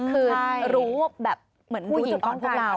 คือรู้ว่าแบบเหมือนผู้หญิงอ้อนพวกเรา